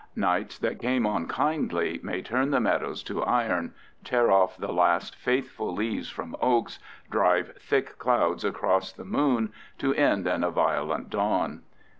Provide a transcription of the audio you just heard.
Nights that came on kindly may turn the meadows to iron, tear off the last faithful leaves from oaks, drive thick clouds across the moon, to end in a violent dawn.